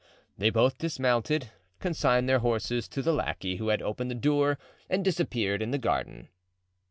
They both dismounted, consigned their horses to the lackey who had opened the door, and disappeared in the garden.